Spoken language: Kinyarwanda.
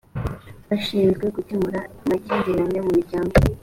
bashinzwe gukemura makimbirane mumiryango